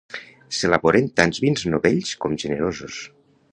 S'elaboren tant vins novells com generosos.